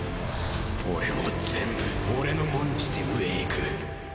俺も全部俺のモンにして上へ行く。